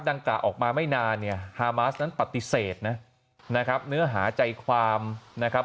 กล่าออกมาไม่นานเนี่ยฮามาสนั้นปฏิเสธนะนะครับเนื้อหาใจความนะครับ